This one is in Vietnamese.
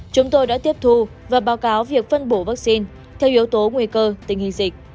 chúng tôi đã tiếp thu và báo cáo việc phân bổ vaccine theo yếu tố nguy cơ tình hình dịch